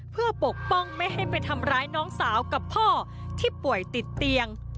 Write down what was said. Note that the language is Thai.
เพื่อปกป้องไม่ให้ไปทำร้ายน้องสาวกับพ่อที่ป่วยติดเตียง